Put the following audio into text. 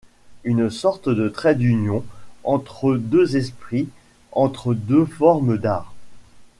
Une sorte de trait d'union entre deux esprits, entre deux formes d'art.